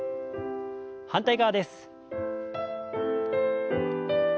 反対側です。